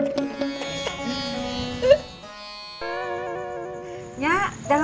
kaya ganda tuh